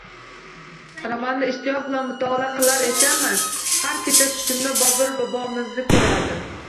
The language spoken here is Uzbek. Romanni ishtiyoq bilan mutolaa qilar ekanman, har kecha tushimda Bobur bobomizni ko`rardim